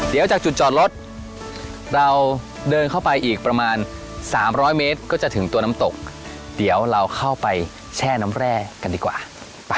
เดี๋ยวจากจุดจอดรถเราเดินเข้าไปอีกประมาณสามร้อยเมตรก็จะถึงตัวน้ำตกเดี๋ยวเราเข้าไปแช่น้ำแร่กันดีกว่าไป